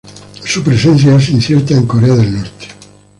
Su presencia es incierta en Corea del Norte.